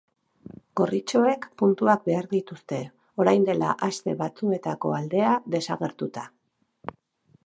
Gorritxoek puntuak behar dituzte, orain dela aste batzuetako aldea desagertuta.